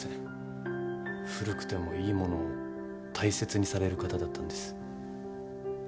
古くてもいいものを大切にされる方だったんです。